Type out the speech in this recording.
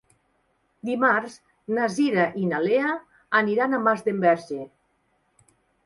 Dimarts na Cira i na Lea aniran a Masdenverge.